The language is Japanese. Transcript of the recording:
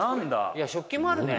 「いや食器もあるね」